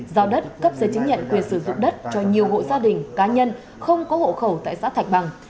giao đất cấp giấy chứng nhận quyền sử dụng đất cho nhiều hộ gia đình cá nhân không có hộ khẩu tại xã thạch bằng